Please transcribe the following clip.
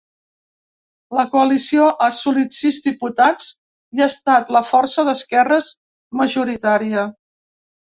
La coalició ha assolit sis diputats i ha estat la força d’esquerres majoritària.